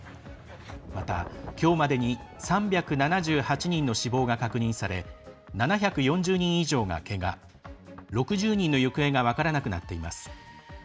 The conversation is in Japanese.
また、きょうまでに３７８人の死亡が確認され７４０人以上がけが６０人の行方が分からなくなっています。